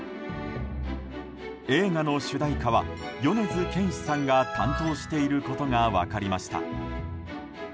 映画の主題歌は米津玄師さんが担当していることが分かりました。